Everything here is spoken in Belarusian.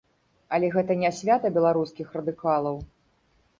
Але гэта не свята беларускіх радыкалаў.